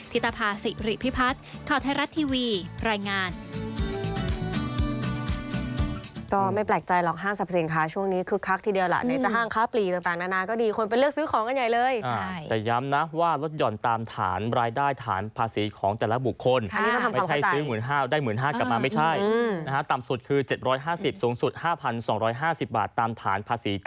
ิตภาษิริพิพัฒน์ข่าวไทยรัฐทีวีรายงาน